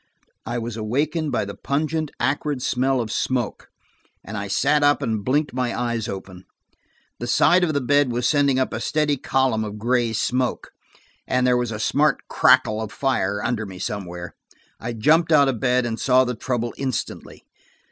I was awakened by the pungent acrid smell of smoke, and I sat up and blinked my eyes open. The side of the bed was sending up a steady column of gray smoke, and there was a smart crackle of fire under me somewhere. I jumped out of bed and saw the trouble instantly.